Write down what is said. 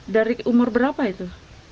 dari umur berapa itu